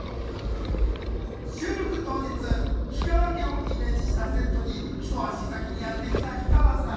収録当日氷川家をイメージしたセットに一足先にやって来た氷川さん